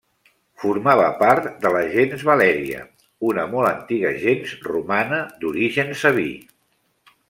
Formava part de la gens Valèria, una molt antiga gens romana d'origen sabí.